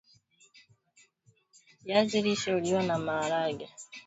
viazi lishe huliwa na namaharage